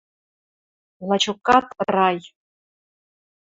Лачокат рай!